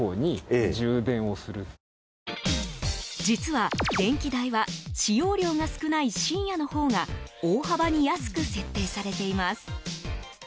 実は、電気代は使用量が少ない深夜のほうが大幅に安く設定されています。